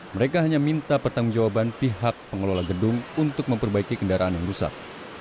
mereka hanya minta pertanggung jawaban pihak pengelola gedung untuk memperbaiki kendaraan yang rusak